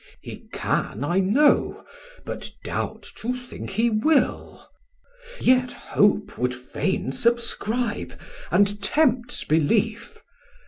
Man: He can I know, but doubt to think he will; Yet Hope would fain subscribe, and tempts Belief.